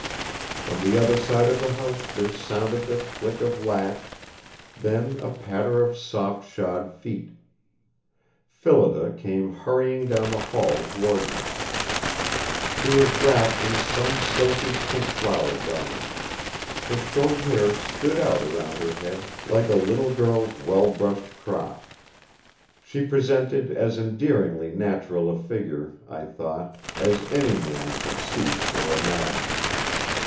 From the other side of the house there sounded the click of latch, then a patter of soft shod feet. Phillida came hurrying down the hall toward me. She was wrapped in some silky pink flowered garment. Her short hair stood out around her head like a little girl's well brushed crop. She presented as endearingly natural a figure, I thought, as any man could seek or imagine.